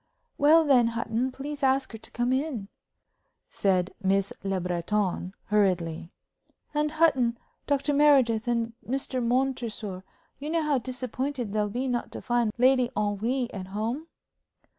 "Well, then, Hutton, please ask her to come in," said Miss Le Breton, hurriedly. "And, Hutton, Dr. Meredith and Mr. Montresor, you know how disappointed they'll be not to find Lady Henry at home?"